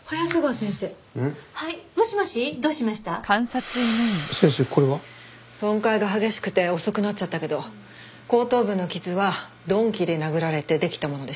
先生これは？損壊が激しくて遅くなっちゃったけど後頭部の傷は鈍器で殴られてできたものでした。